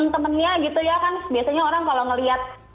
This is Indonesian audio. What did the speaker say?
temennya gitu ya kan biasanya orang kalau ngelihat